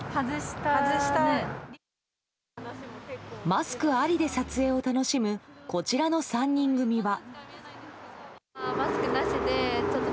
マスクありで撮影を楽しむこちらの３人組は。